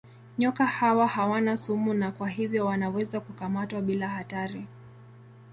Nyoka hawa hawana sumu na kwa hivyo wanaweza kukamatwa bila hatari.